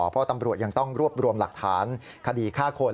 เพราะตำรวจยังต้องรวบรวมหลักฐานคดีฆ่าคน